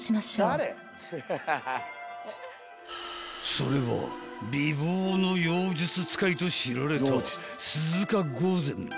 ［それは美貌の妖術使いと知られた鈴鹿御前］